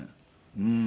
うん。